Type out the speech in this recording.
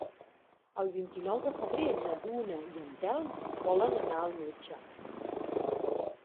El vint-i-nou de febrer na Duna i en Telm volen anar al metge.